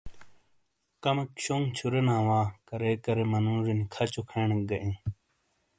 کمیک شونگ چھُورینا وا کارے کارے منوجے نی کچھو کھین گہ ایوں۔